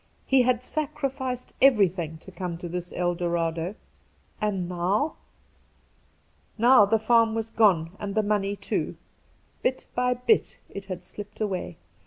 He had sacrificed everything to come to this El Dorado — and now ! Now the farm was gone and the money too. Bit by bit it had slipped away.